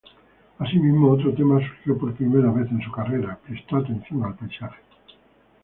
Asimismo, otro tema surgió: por primera vez en su carrera, prestó atención al paisaje.